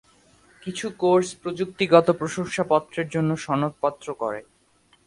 কিছু কোর্স প্রযুক্তিগত প্রশংসাপত্রের জন্য সনদপত্র করে।